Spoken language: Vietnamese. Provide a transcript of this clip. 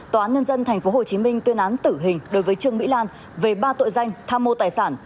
tòa án nhân dân tp hcm tuyên án tử hình đối với trương mỹ lan về ba tội danh tham mô tài sản